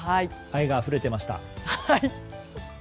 愛があふれていました。